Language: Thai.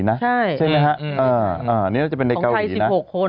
ของไทย๑๖คน